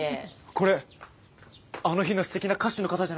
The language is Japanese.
これあの日のすてきな歌手の方じゃないですか？